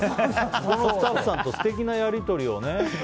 スタッフさんと素敵なやり取りをね。